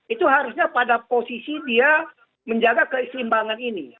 itu harusnya pada posisi dia menjaga keistimbangan ini